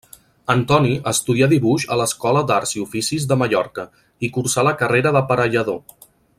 Antoni estudià dibuix a l'Escola d'Arts i Oficis de Mallorca, i cursà la carrera d'aparellador.